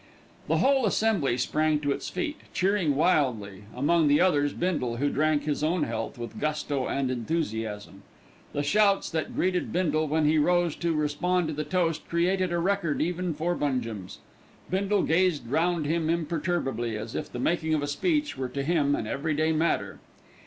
The whole assembly sprang to its feet, cheering wildly, among the others Bindle, who drank his own health with gusto and enthusiasm. The shouts that greeted Bindle when he rose to respond to the toast created a record even for Bungem's. Bindle gazed round him imperturbably, as if the making of a speech were to him an everyday matter.